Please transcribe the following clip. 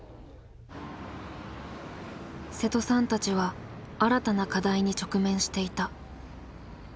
瀬戸さんたちは新たな課題に直面していた。